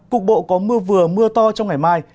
cục bộ có mưa vừa mưa to trong ngày mai